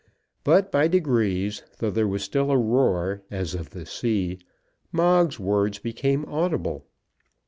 But by degrees, though there was still a roar, as of the sea, Moggs's words became audible.